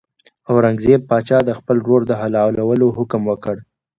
اورنګزېب پاچا د خپل ورور د حلالولو حکم وکړ.